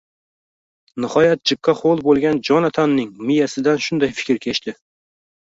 Nihoyat, jiqqa ho‘l bo‘lgan Jonatanning miyasidan shunday fikr kechdi: